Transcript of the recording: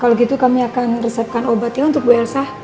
kalau gitu kami akan resepkan obatnya untuk bu elsa